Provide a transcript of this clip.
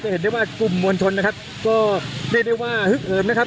เห็นได้ว่ากลุ่มมวลชนนะครับก็เรียกได้ว่าฮึกเหิมนะครับ